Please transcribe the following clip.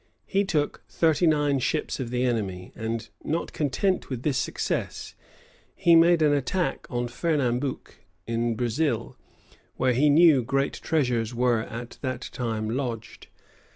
He took thirty nine ships of the enemy; and not content with this success, he made an attack on Fernambouc, in Brazil, where he knew great treasures were at that time lodged.